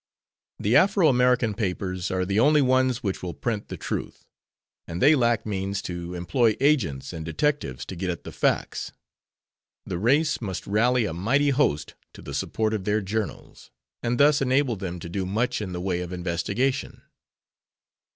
The Afro American papers are the only ones which will print the truth, and they lack means to employ agents and detectives to get at the facts. The race must rally a mighty host to the support of their journals, and thus enable them to do much in the way of investigation.